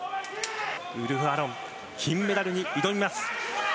ウルフ・アロン金メダルに挑みます。